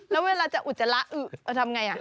แล้วเวลาจะอุดจะละทำไงอ่ะ